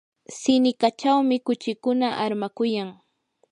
siniqachawmi kuchikuna armakuyan.